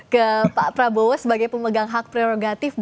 ke pak prabowo sebagai pemegang hak prerogatif